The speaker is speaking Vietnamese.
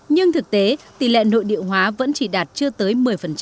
nhưng thực tế tỷ lệ nội địa hóa vẫn chỉ đạt chưa tới một mươi